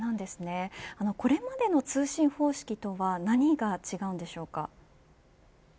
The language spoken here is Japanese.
これまでの通信方式とは何が違うのでしょうか。